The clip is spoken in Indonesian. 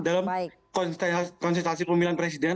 dalam konsistensi pemilihan presiden